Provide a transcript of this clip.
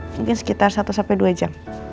mungkin sekitar satu sampai dua jam